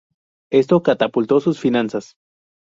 Esto catapultó sus finanzas.